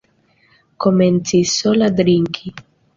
Komencis sola drinki.